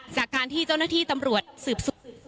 จากการที่เจ้าหน้าที่ตำรวจสืบ